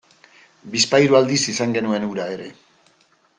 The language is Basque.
Bizpahiru aldiz izan genuen hura ere.